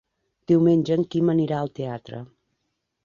Diumenge en Quim anirà al teatre.